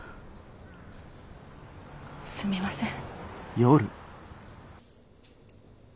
すみません。